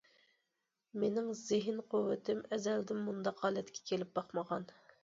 مېنىڭ زېھىن- قۇۋۋىتىم ئەزەلدىن مۇنداق ھالەتكە كېلىپ باقمىغان.